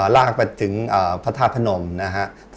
ลากไปถึงพระธาตุพนมนะฮะ